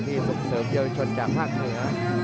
ที่ส่งเฟย์วิชวัฒน์ทางภาคเหนือ